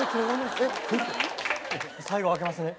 最後開けますね。